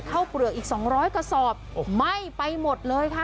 เปลือกอีก๒๐๐กระสอบไหม้ไปหมดเลยค่ะ